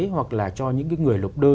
hoặc là cho những cái người lục đơn